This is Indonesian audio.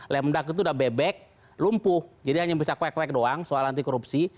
lemdak itu udah bebek lumpuh jadi hanya bisa kwek kwek doang soal anti korupsi